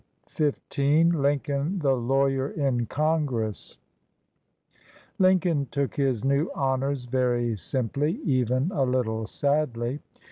147 XV LINCOLN THE LAWYER IN CONGRESS LINCOLN took his new honors very simply, J even a little sadly.